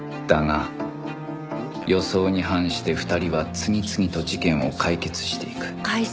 だが予想に反して２人は次々と事件を解決していく